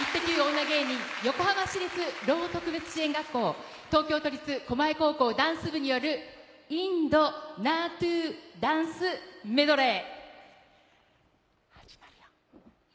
女芸人、横浜市立ろう特別支援学校、東京都立狛江高校ダンス部によるインド・ナートゥダンスメドレー。